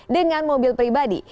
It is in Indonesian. dengan mobil pribadi